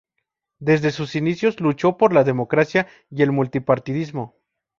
Desde sus inicios luchó por la democracia y el multipartidismo.